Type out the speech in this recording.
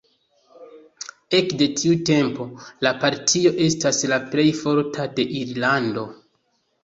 Ekde tiu tempo la partio estas la plej forta de Irlando.